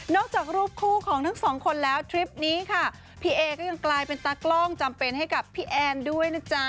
จากรูปคู่ของทั้งสองคนแล้วทริปนี้ค่ะพี่เอก็ยังกลายเป็นตากล้องจำเป็นให้กับพี่แอนด้วยนะจ๊ะ